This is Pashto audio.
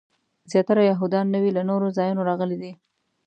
زیاتره یهودیان نوي له نورو ځایونو راغلي دي.